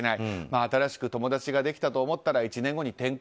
新しく友達ができたと思ったら１年後に転校。